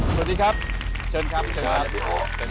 สวัสดีครับเชิญครับพี่อุ